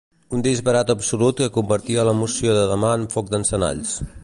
Un disbarat absolut que convertia la moció de demà en foc d’encenalls.